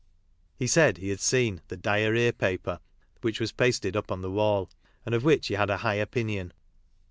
He said he had seen the " diarrhoea paper," which was pasted up on the wall, and of which he had a high opinion.